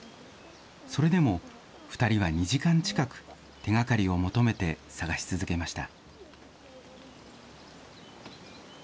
それでも２人は２時間近く、手がかりを求めて捜し続けました。